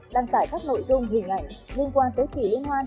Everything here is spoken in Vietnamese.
đăng tải các nội dung hình ảnh liên quan tới kỳ liên hoan